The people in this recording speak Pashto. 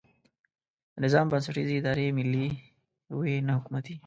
د نظام بنسټیزې ادارې ملي وي نه حکومتي.